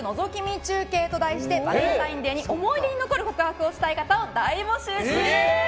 中継と題してバレンタインデーに思い出に残る告白をしたい方を大募集中です。